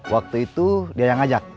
waktu itu dia yang ngajak